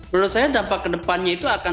menurut saya dampak kedepannya itu akan